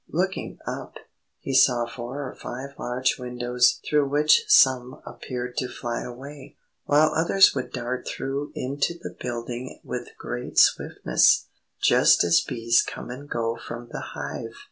Looking up, he saw four or five large windows through which some appeared to fly away, while others would dart through into the building with great swiftness, just as bees come and go from the hive.